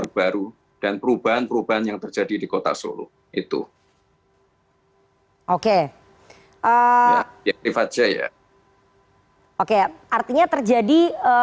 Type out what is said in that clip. baru dan perubahan perubahan yang terjadi di kota solo itu oke ya rifatnya ya oke artinya terjadi